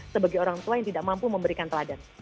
sebagai orang tua yang tidak mampu memberikan teladan